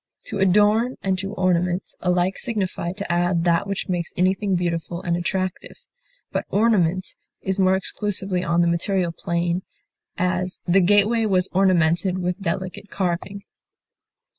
To adorn and to ornament alike signify to add that which makes anything beautiful and attractive, but ornament is more exclusively on the material plane; as, the gateway was ornamented with delicate carving.